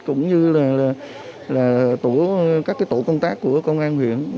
cũng như là các tổ công tác của công an huyện